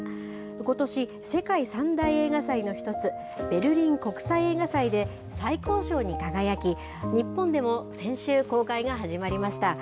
ことし、世界三大映画祭の一つ、ベルリン国際映画祭で最高賞に輝き、日本でも先週、公開が始まりました。